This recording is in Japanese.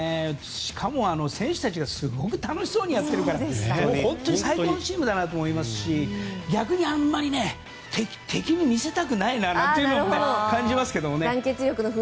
しかも、選手たちがすごく楽しそうにやっているから本当に最高のチームだと思いますし逆にあまり敵に見せたくないなって感じますよね。